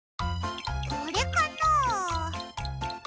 これかな？